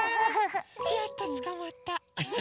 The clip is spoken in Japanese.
やっとつかまった。